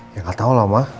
ya nggak tahu lah ma